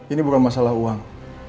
ini bukan masalah uang